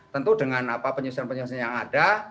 tentu dengan penyusunan penyusunan yang ada